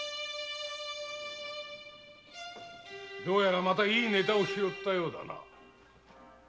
どうやらまたいいネタを拾ったようだな。